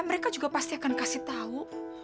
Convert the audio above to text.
mereka juga pasti akan kasih tahu